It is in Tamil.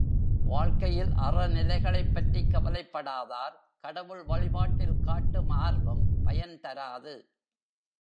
வாழ்க்கையில் அறநிலைகளைப் பற்றிக் கவலைப்படாதார், கடவுள் வழிபாட்டில் காட்டும் ஆர்வம் பயன் தராது.